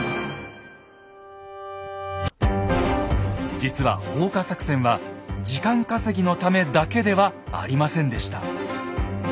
実は放火作戦は時間稼ぎのためだけではありませんでした。